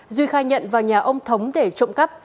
duy khai nhận vào nhà ông thống để trộm cắp